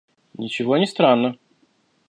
– Ничего не странно.